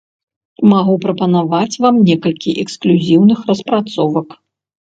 Магу прапанаваць вам некалькі эксклюзіўных распрацовак.